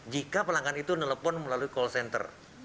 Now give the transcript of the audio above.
jika pelanggan itu nelpon melalui call center